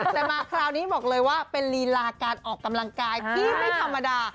แต่มาคราวนี้บอกเลยว่าเป็นลีลาการออกกำลังกายที่ไม่ธรรมดา